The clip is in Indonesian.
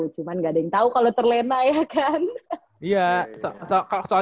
cuma nggak ada yang tahu kalau terlena ya kan